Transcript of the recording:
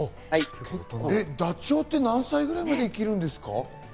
ダチョウって何歳くらいまで生きるんですか？